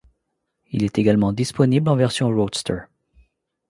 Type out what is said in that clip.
Elle est également disponible en version roadster.